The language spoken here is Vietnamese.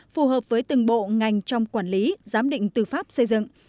phù hợp với từng bộ ngành trong quản lý giám định tư pháp xây dựng